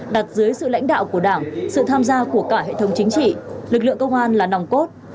đặt dưới sự lãnh đạo của đảng sự tham gia của cả hệ thống chính trị lực lượng công an là nòng cốt